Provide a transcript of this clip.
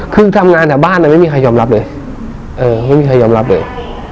คือทำงานแต่บ้านไม่มีใครยอมรับเลยเออไม่มีใครยอมรับเลย